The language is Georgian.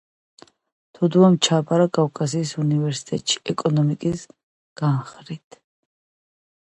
თოდუამ ჩააბარა კავკასიის უნივერსიტეტში, ეკონომიკის განხრით.